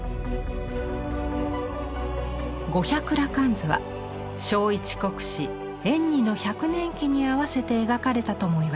「五百羅漢図」は聖一国師円爾の百年忌に合わせて描かれたともいわれます。